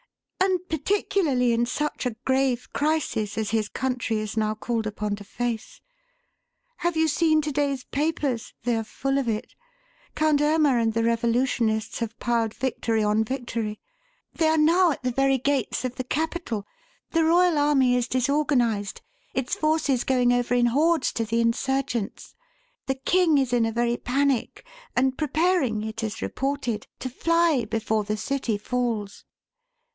"And particularly in such a grave crisis as his country is now called upon to face. Have you seen to day's papers? They are full of it. Count Irma and the revolutionists have piled victory on victory. They are now at the very gates of the capital; the royal army is disorganized, its forces going over in hordes to the insurgents; the king is in a very panic and preparing, it is reported, to fly before the city falls."